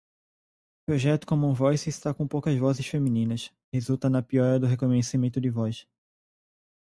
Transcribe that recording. Projeto commonvoice está com poucas vozes femininas, resulta na piora do reconhecimento de voz